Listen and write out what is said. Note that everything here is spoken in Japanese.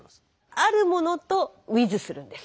あるものとｗｉｔｈするんです。